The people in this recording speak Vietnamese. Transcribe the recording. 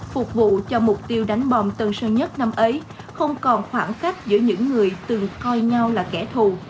phục vụ cho mục tiêu đánh bom tân sơn nhất năm ấy không còn khoảng cách giữa những người từng coi nhau là kẻ thù